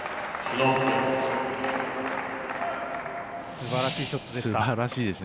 すばらしいショットでした。